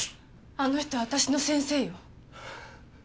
あの人は私の先生よ。